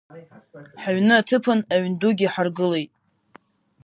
Ҳаҩны аҭыԥан аҩн дугьы ҳаргылеит…